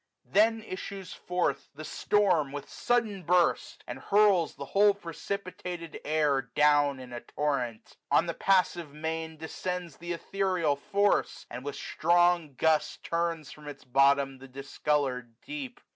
Then issues forth the storm with sudden burst, And hurls the whole precipitated jur, Down, in a torrent. On the passive main 155 Descends th* ethereal force, and with strong gust Turns from its bottom the discoloured deep.